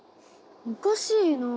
おかしいな。